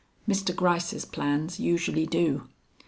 Mr. Gryce's plans usually do.